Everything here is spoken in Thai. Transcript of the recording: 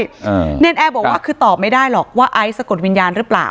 เนรนแอร์บอกว่าคือตอบไม่ได้หรอกว่าไอซ์สะกดวิญญาณหรือเปล่า